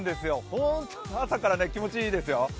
ホント朝から気持ちいいですよ。